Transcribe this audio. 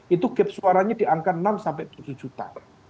itu gap suaranya di angka enam sampai tujuh juta